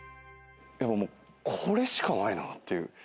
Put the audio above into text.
もうこれしかないなっていう。